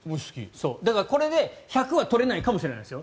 だからこれで１００は取れないかもしれないですよ。